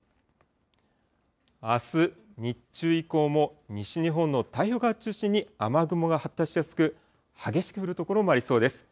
さらにこのあと見ていきますと、あす日中以降も、西日本の太平洋側中心に雨雲が発達しやすく、激しく降る所もありそうです。